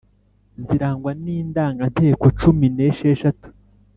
zirangwa n’indanganteko cumi ne sheshatu